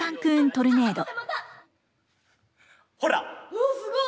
おおすごい！